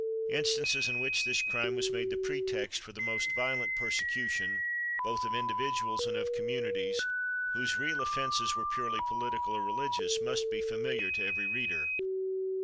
Instances in which this crime was made the pretext for the most violent persecution, both of individuals and of communities, whose real offences were purely political or religious, must be familiar to every reader.